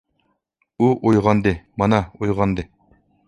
ئۇ ئويغاندى، مانا، ئويغاندى!